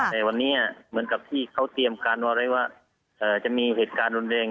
แต่วันนี้เหมือนกับที่เขาเตรียมการเอาไว้ว่าจะมีเหตุการณ์รุนแรง